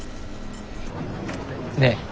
ねえ？